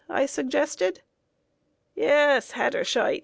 I suggested. "Yes, Hatterscheit!